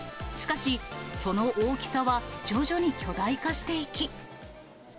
しかし、その大きさは、徐々に巨大化していき。